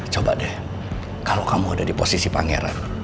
coba deh kalau kamu ada di posisi pangeran